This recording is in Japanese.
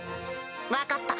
分かった。